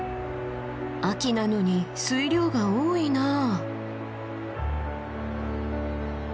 秋なのに水量が多いなあ。